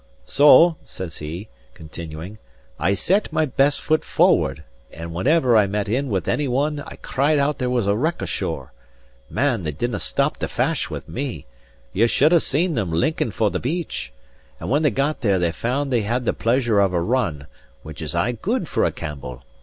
"So," says he, continuing, "I set my best foot forward, and whenever I met in with any one I cried out there was a wreck ashore. Man, they didnae stop to fash with me! Ye should have seen them linking for the beach! And when they got there they found they had had the pleasure of a run, which is aye good for a Campbell.